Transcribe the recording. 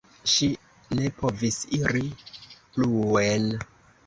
Ŝi ne povis iri pluen.